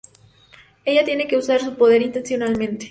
Ella tiene que usar su poder intencionalmente.